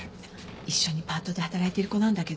一緒にパートで働いてる子なんだけど。